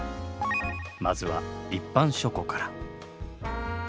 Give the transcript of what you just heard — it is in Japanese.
まずは一般書庫から。